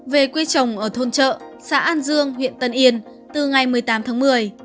về quê trồng ở thôn chợ xã an dương huyện tân yên từ ngày một mươi tám tháng một mươi